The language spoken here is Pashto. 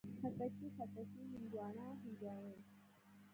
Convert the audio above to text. خټکی، خټکي، هندواڼه، هندواڼې